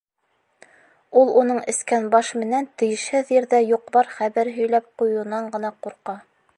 Ул уның эскән баш менән тейешһеҙ ерҙә юҡ-бар хәбәр һөйләп ҡуйыуынан ғына ҡурҡа.